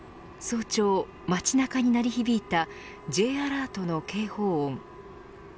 早朝、街中に鳴り響いたＪアラートの警報音。